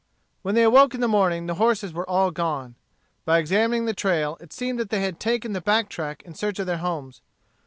When they awoke in the morning the horses were all gone. By examining the trail it seemed that they had taken the back track in search of their homes.